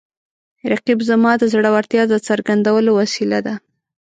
رقیب زما د زړورتیا د څرګندولو وسیله ده